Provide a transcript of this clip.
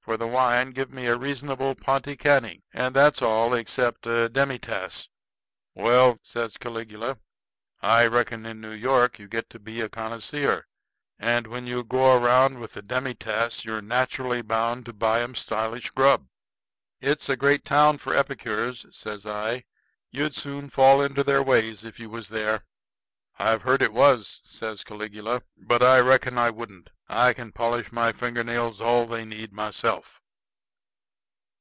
For the wine, give me a reasonable Ponty Cany. And that's all, except a demi tasse." "Well," says Caligula, "I reckon in New York you get to be a conniseer; and when you go around with the demi tasse you are naturally bound to buy 'em stylish grub." "It's a great town for epicures," says I. "You'd soon fall into their ways if you was there." "I've heard it was," says Caligula. "But I reckon I wouldn't. I can polish my fingernails all they need myself."